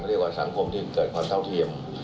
เรียกว่าสังคมที่เกิดความเท่าเทียม